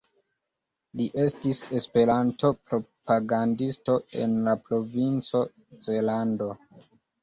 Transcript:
Li estis Esperanto-propagandisto en la provinco Zelando.